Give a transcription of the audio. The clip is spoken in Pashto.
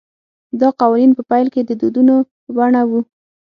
دا قوانین په پیل کې د دودونو په بڼه وو